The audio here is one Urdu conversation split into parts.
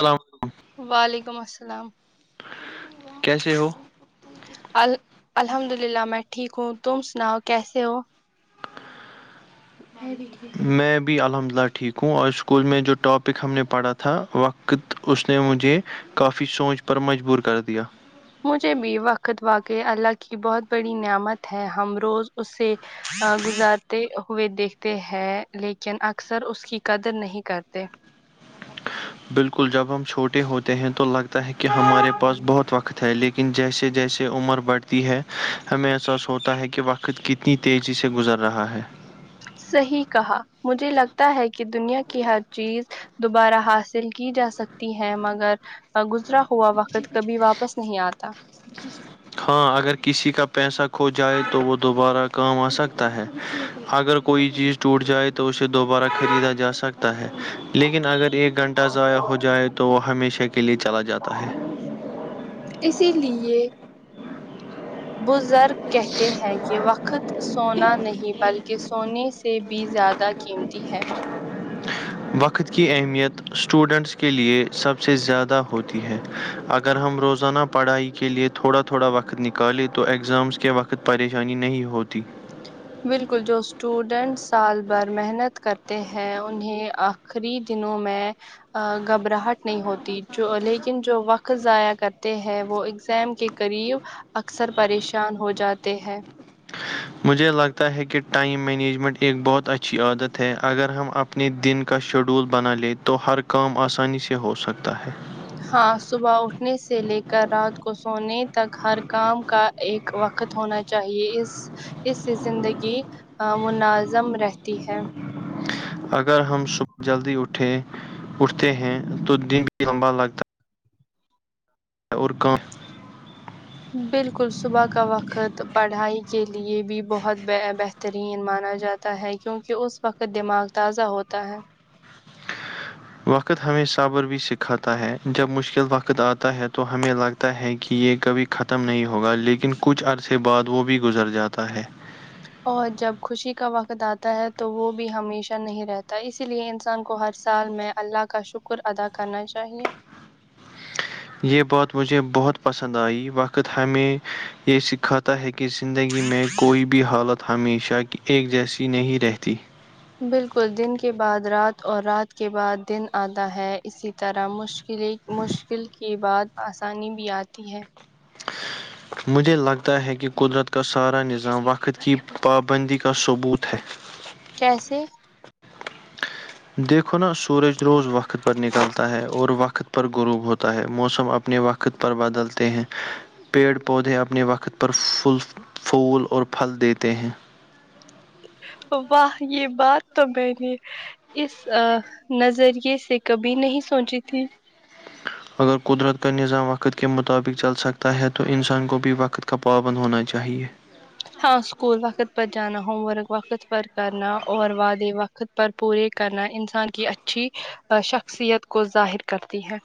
السلام وعلیکم السلام کیسے ہو ال الحمد للہ میں ٹھیک ہوں تم سناؤ کیسے ہو میں بھی الحمد للہ ٹھیک ہوں اور اسکول میں جو ٹاپک ہم نے پڑھا تھا وقت اس نے مجھے کافی سوچ پر مجبور کر دیا مجھے بھی وقت واقع اللہ کی بہت بڑی نعمت ہے ہم روز اس سے ا گزارتے ہوئے دیکھتے ہیں لیکن اکثر اس کی قدر نہیں کرتے بالکل جب ہم چھوٹے ہوتے ہیں تو لگتا ہے کہ ہمارے پاس بہت وقت ہے لیکن جیسے جیسے عمر بڑھتی ہے ہمیں احساس ہوتا ہے کہ وقت کتنی تیزی سے گزر رہا ہے صحیح کہا مجھے لگتا ہے کہ دنیا کی ہر چیز دوبارہ حاصل کی جا سکتی ہے مگر گزرا ہوا وقت کبھی واپس نہیں آتا ہاں اگر کسی کا پیسہ کھو جائے تو وہ دوبارہ کام آ سکتا ہے اگر کوئی چیز ٹوٹ جائے تو اسے دوبارہ خریدا جا سکتا ہے لیکن اگر ایک گھنٹہ ضائع ہو جائے تو وہ ہمیشہ کے لیے چلا ت [unintelligible] اسی لیے بزرگ کہتے ہیں یہ وقت سونا نہیں بلکہ کہ سونے سے بھی زیادہ قیمتی ہے وقت کی اہمیت اسٹوڈنٹس کے لیے سب سے زیادہ ہوتی ہے اگر ہم روزانہ پڑھائی کے لیئے تھوڑا تھوڑا وقت نکالیں تو اگزامس کے وقت پریشانی نہیں ہوتی بالکل جو اسٹوڈنٹ سال بھر محنت کرتے ہیں انہیں آخری دنوں میں گھبراہٹ نہیں ہوتی جو لیکن جو وقت ضائع کرتے ہیں وہ ایگزام کے قریب اکثر پریشان ہو جاتے ہیں مجھے لگتا ہے کہ ٹائم مینجمنٹ ایک بہت اچھی عادت ہے اگر ہم اپنے دن کا شیڈول بنا لیں تو ہر کام آسانی سے ہو سکتا ہے ہاں صبح اٹھنے سے لے کر رات کو سونے تک ہر کام کا ایک وقت ہونا چاہیے اس اس سے زندگی مناظم رہتی ہے [inaudible] اگر ہم صبح جلدی اٹھیں اٹھتے ہیں تو دن بھی لمبا لگتا ہے اور کہاں بالکل صبح کا وقت پڑھائی کے لیے بھی بہت ب بہترین مانا جاتا ہے کیونکہ اس وقت دماغ تازہ ہوتا ہے وقت ہمیں صابر بھی سکھاتا ہے جب مشکل وقت آتا ہے تو ہمیں لگتا ہے کہ یہ کبھی ختم نہیں ہوگا لیکن کچھ عرصے بعد وہ بھی گزر جاتا ہے اور جب خوشی کا وقت آتا ہے تو وہ بھی ہمیشہ نہیں رہتا اسی لئے انسان کو ہر سال میں اللہ کا شکر ادا کرنا چاہیئے یہ بات مجھے بہت پسند آئی وقت ہمیں یہ سکھاتا ہے کہ زندگی میں کوئی بھی حالت ہمیشہ کی ایک جیسی نہیں رہتی بالکل دن کے بعد رات اور رات کے بعد دن آتا ہے اسی طرح مشکل کے بعد آسانی بھی آتی ہے مجھے لگتا ہے کہ قدرت کا سارا نظام وقت کی پابندی کا ثبوت ہے کیسے دیکھو نا سورج روز وقت پر نکلتا ہے اور وقت غروب ہوتا ہے موسم اپنے وقت پر بدلتے ہیں پیڑ پودے اپنے وقت وقت پر پل پھول اور پھل دیتے ہیں واہ یہ بات تو میں نے اس نظریے سے کبھی نہیں سوچی تھی اگر قدرت کا نظام وقت کے مطابق چل سکتا ہے تو انسان کو بھی وقت کا پابند ہونا چاہیئے ہاں سکول وقت پر جانا ہوم ورک وقت پر کرنا اور وعدے وقت پر پورے کرنا انسان کی اچھی شخصیت کو ظاہر کرتی ہے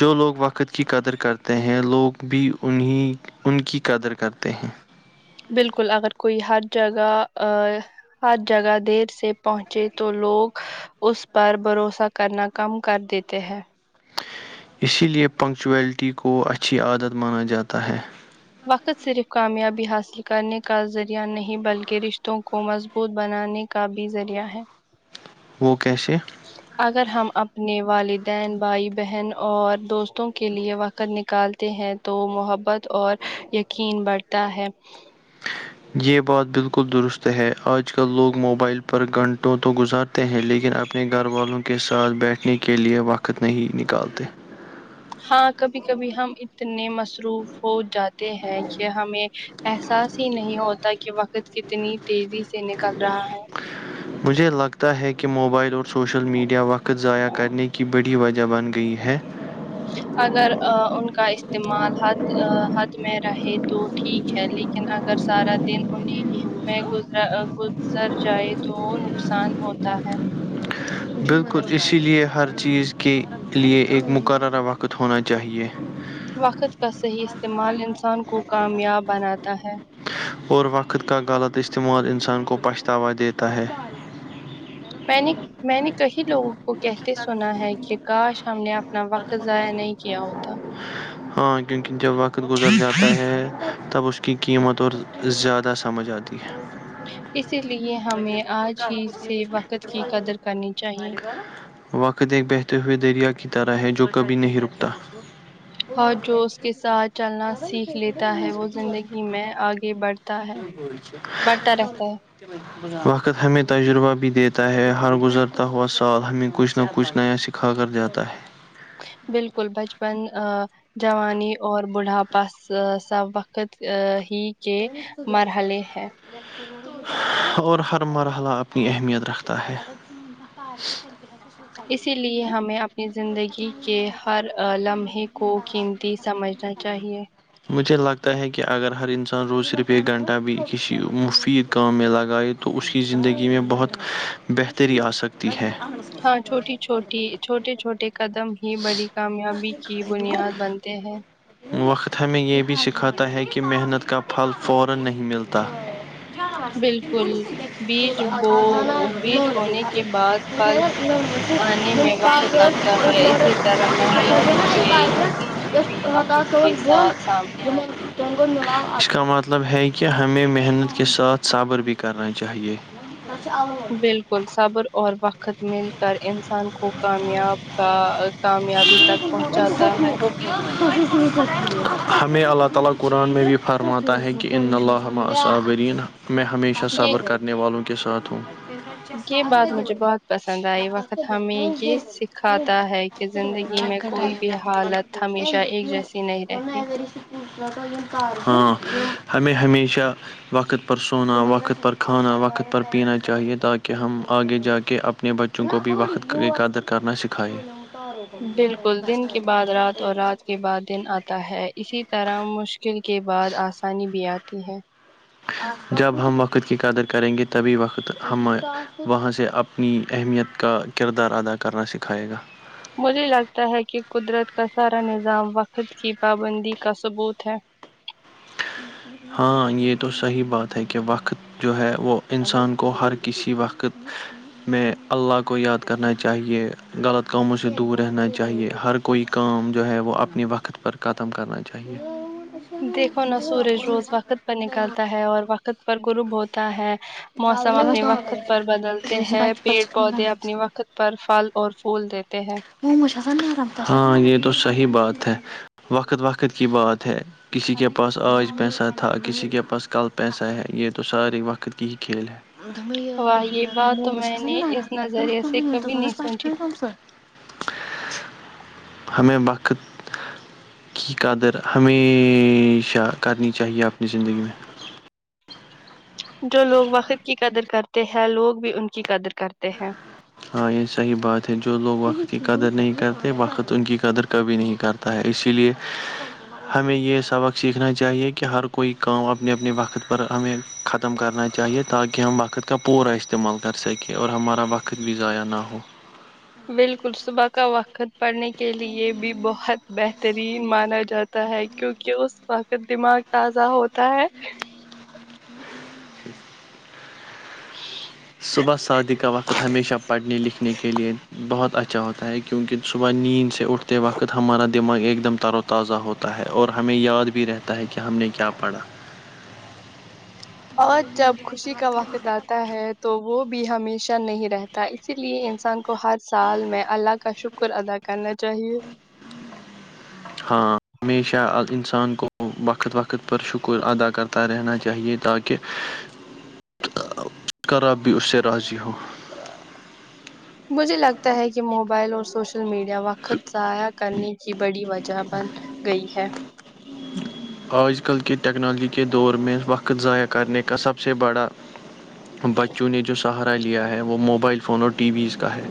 جو لوگ وقت کی قدر کرتے ہیں لوگ بھی انہیں ان کی قدر کرتے ہیں بالکل اگر کوئی ہر جگہ ا ہر جگہ دیر سے پہنچے تو لوگ اس پر بھروسہ کرنا کم کر دیتے ہیں اسی لے پنکچویلٹی کو اچھی عادت مانا جاتا ہے وقت صرف کامیابی حاصل کرنے کا ذریعہ نہیں بلکہ رشتوں کو مضبوط بنانے کا بھی ذریعہ ہے وہ کیسے اگر ہم اپنے والدین بھائی بہن اور دوستوں کے لیے وقت نکالتے ہیں تو محبت اور یقین بڑھتا ہے یہ بات بالکل درست ہے آج کل لوگ موبائل پر گھنٹوں تو گزارتے ہیں لیکن اپنے گھر والوں کے ساتھ بیٹھے نے کے لیے وقت نہیں نکالتے ہاں کبھی کبھی ہم اتنے مصروف ہو جاتے ہیں کہ ہمیں احساس ہی نہیں ہوتا کہ وقت کتنی تیزی سے نکل رہا ہے لتا ہے کہ موبائل اور سوشل میڈیا وقت ضائع کرنے کی بڑی وجہ بن گئی ہے اگر آ، ان کا استعمال حد آ، حد میں رہے تو ٹھیک ہے لیکن اگر سارا دن انیں میں گزا گزر جائے تو نقصان ہوتا ہے بالکل اسی لیے ہر چیز کے لیے ایک مقررہ وقت ہونا چاہیے وقت کا صحیح استعمال انسان کو کامیاب بناتا تا ہے اور وقت کا غلط استعمال انسان کو پچھتاوا دیتا ہے میں نے میں نے کہی لو وہ کہتے سنا ہے کہ آ کاش ہم نے اپنا وقت ضائع نہیں کیا ہوتا ہاں کی جب وقت گزر جاتا ہے تب اس کی قیمت اور زیادہ سمجھ آتی ہے اسی لیے ہمیں آج ہی اس سے وقت کی قدر کرنی چاہیے کدے بہتے ہوئے دریا کی طرح ہے جو کبھی نہیں رکتا اور جو اس کے ساتھ چلنا سیکھ لیتا ہے وہ زندگی میں آگے بڑھتی ت بول وقت ہمیں تجربہ بھی دیتا ہے ہر گزرتا ہوا سال ہمیں کچھ نہ کچھ نیا سکھا کر جاتا ہے بالکل بچپ ن ا جوانی اور بڑھاپا سب وقت ہی کے مرحلے ہیں اور ہر مرحلہ اپنی اہمیت رکھتا ہے اسی لیے ہمیں اپنی زندگی کے ہر لمحے کو قیمتی سمجھنا چاہیے مجھے لگتا ہے کہ اگر ہر انسان روز صرف ایک گھنٹہ بھی کسی مفید کام میں لگائے تو اس کی زندگی میں بہت بہتری آ سک ت ہے ہاں چھوٹی چھوٹی چھوٹے چھوٹے قدم ہی بڑی کامیابی کی بنیاد بنتے ہیں [unintelligible] ٹا بالکل بیج بو بیج بونے کے بعد پھل آنے میں وقت لگتا ہے اسی طرح محنت کے نتیجے بھی وقت کے بون ساتھ سامنے آتے ج ہیں گ نلااؤ آ کا مطلب ہے کہ ہمیں محنت ک ساتھ صابر بھی کرنا چاہیے بالکل سابر اور وق خت مل کر انسان کو کامیاب کا کامیابی تک پہنچاتا ہے [unintelligible] میں ہمیشہ یہ صبر کرنے والوں کے ساتھ ہوں یہ بات اچھا مجھے بہت پسند آئی وقت ہمیں یہ سکھاتا ہے کہ زندگی میں کوئی بھی حالت ہمیشہ ایک جیسی نہیں رہتی ہاں ہمیں ہمیشہ وقت پر سونا وقت پر کھانا وقت پر پینا چاہیے تاکہ ہم آگے جا کے اپنے بچوں کو بھی وقت کی قدر کرنا سکھائیں بالکل دن کے بعد رات اور رات کے بعد دن آتا ہے اسی طرح مشکل کے بعد آسانی بھی آتی ہے جب ہم وقت کی قدر کریں گے تبھی وقت ہم وہاں سے اپنی اہمیت کا کردار ادا کرنا سکھائے گا مجھے لگتا ہے کہ قدرت کا سارا نظام وقت کی پابندی کا ثبوت ہے ہاں یہ تو صحیح بات ہے کہ وقت جو ہے وہ انسان کوو ہر کسی وقت میں اللہ کو یاد کرنا چاہیے غلط کاموں سے دور رہنا چاہیے ہر کوئی کام جو ہے وہ اپنے وقت پر ختم کرنا چاہیے دیکھو نا سورج روز وقت پر نکلتا ہے اور وقت پر گروب ہوتا ہے موسم اپنے وقت پر بدلتے ہیں پیڑ پودے اپنے پ وقت پر پھل اور بول دیا ہاں یہ تو صحیح بات ہے وقت وقت کی بات ہے کسی کے پاس آج پیسہ تھا کسی کے پاس کل پیسہ ہے یہ تو سارے وقت کی ہی کھیل ہے دپ واہ یہ ن بات تو موموج میں سےس نے اس نظریے سے کبھی نرا نہیں پچ پ سوچی کم س ہمیں وقت کی قدر ہمیشہ کرنی چاہیے اپنی زندگی میں جو لوگ وقد کی قدر کرتے ہیں لوگ بھی ان کی قدر کرتے ہیں ہاں یہ صحیح بات ہے جو لوگ وقت کی قدر نہیں کرتے وقت ان کی قدر کبھی نہیں کرتا ہے اسی لیے ہمیں یہ سبق سیکھنا چاہیے کہ ہر کوئی کام اپنے اپنے وقت پر ہمیں ختم کرنا چاہیے تاکہ ہم وقت کا پورا استعمال کر سکیں اور ہمارا وقت دقت بھی ضائع نہ ہو بالکل صبح کا وقت پڑھنے کے لئے بھی بہت بہترین مانا جاتا ہے کیونکہ اس وقت دماغ تازہ ہوتا ہے [inaudible] صبح شادی کا وقت ہمیشہ پڑھنے لکھنے کے لئے بہت اچھا ہوتا ہے کیونکہ صبح نیند سے اٹھتے وقت ہمارا دماغ ایک دم تر و تازہ ہوتا ہے اور ہمیں یاد بھی رہتا ہے ک ہم نے کیا پڑھا اور جب خوشی کا وقت ڈالا ہے تو وہ بھی ہمیشہ نہیں رہتا اسی لیئے انسان کو ہر سال میں اللہ کا شکر ادا کرنا چاہیے ہاں ہمیشہ انسان کو وقت وقت پر شکر ادا کرتا رہنا چاہیے تاکہ خراب بھی اس سے راضی ہو مجھے لگتا ہے کہ موبائل اور سوشل ل میڈیا وقت ضائع کرنے کی بڑی وجہ بن گئی ہے آج کل کے ٹیکنالوجی کے دور میں وقت ضائع کرنے کا سب سے بڑا بچوں نے جو سہار لیا ہے وہ موبائل فون اور ٹی ویز کا ہے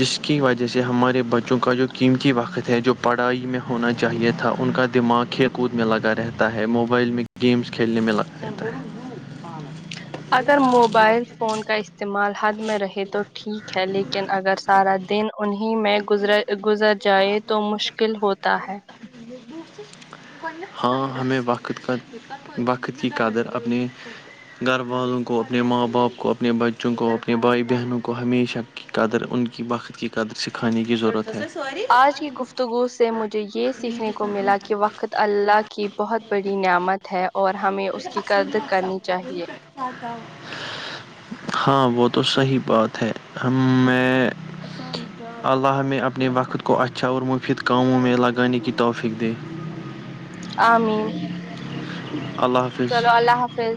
جس کی وجہ سے ہمارے بچوں کا جو قیمتی وقت ہے جو پڑھائی میں ہونا چاہیے تھا ان کا دماغ کھی کود میں لگا رہتا ہے موبائل میں گیمس کھیلنے میں لگا رہتا ہے اگر موبائل فون کا استعمال حد میں رہے تو ٹھیک ہے لیکن اگر سارا دن انہیں ہی میں گزر گزر جائے تو مشکل ہوتا ہے ہاں ہمیں وقت کا وقت کی قدر اپنے گھر والوں کو اپنے ماں باپ کو اپنے بچوں کو اپنے بھائی بہنوں کو ہمیشہ کی قدر ان کی وقت کی قدر سکھانے کی ضرورت ہے اج کی گفتگو سے مجھے یہ سیکھنے کو ملا کہ وقت اللہ کی بہت بڑی نعمت ہے اور ہمیں اس کی قدر کرنی چاہیے ہاں وہ تو صحیح بات ہے ہم میں اللہ اللہ ہم میں اپنے وقت کو اچھا اھا اور مفید کاموں میں لگانے کی توفق دے امین اللہ حافظ چلو اللہ حافظ